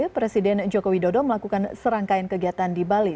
presiden joko widodo melakukan serangkaian kegiatan di bali